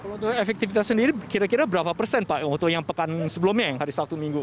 kalau untuk efektivitas sendiri kira kira berapa persen pak untuk yang pekan sebelumnya yang hari sabtu minggu